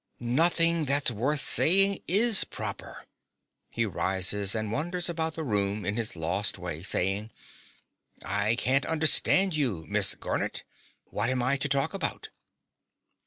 Nothing that's worth saying IS proper. (He rises, and wanders about the room in his lost way, saying) I can't understand you, Miss Garnett. What am I to talk about?